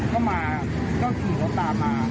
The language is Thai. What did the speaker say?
ก็มาก็สิ่งเขาตามมา